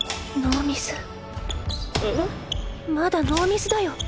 まだノーミスだよ